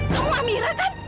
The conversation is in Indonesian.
kamu amirah kan